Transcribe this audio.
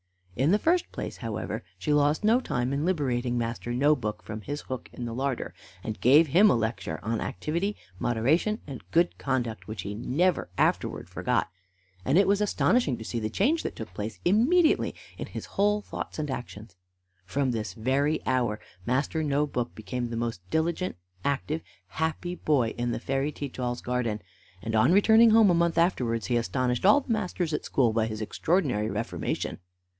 In the first place, however, she lost no time in liberating Master No book from his hook in the larder, and gave him a lecture on activity, moderation, and good conduct, which he never afterwards forgot; and it was astonishing to see the change that took place immediately in his whole thoughts and actions. From this very hour Master No book became the most diligent, active, happy boy in the fairy Teach all's garden; and on returning home a month afterwards, he astonished all the masters at school by his extraordinary reformation.